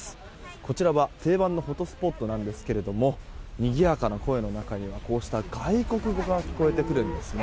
こちらは定番のフォトスポットなんですがにぎやかな声の中にはこうした外国語が聞こえてくるんですね。